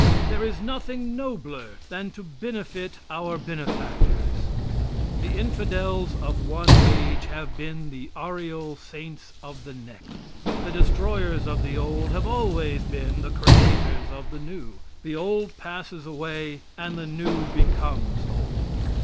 There is nothing nobler than to benefit our benefactors. The infidels of one age have been the aureole saints of the next. The destroyers of the old have always been the creators of the new. The old passes away and the new becomes old.